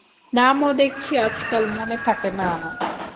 নামও দেখছি আজকাল মনে থাকে না।